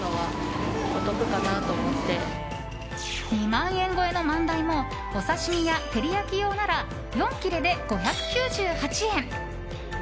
２万超えのマンダイもお刺し身や照り焼き用なら４切れで５９８円。